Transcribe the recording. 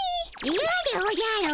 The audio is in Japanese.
イヤでおじゃる。